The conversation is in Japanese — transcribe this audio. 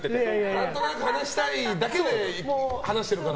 何となく話したいだけで話してるから。